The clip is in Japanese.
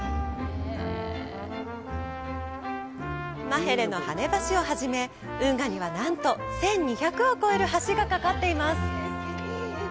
マヘレの跳ね橋を初め運河には、なんと１２００を超える橋がかかっています。